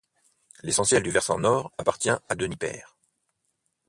L'essentiel du versant nord appartient à Denipaire.